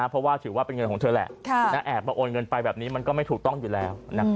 เพราะว่าถือว่าเป็นเงินของเธอแหละแอบมาโอนเงินไปแบบนี้มันก็ไม่ถูกต้องอยู่แล้ว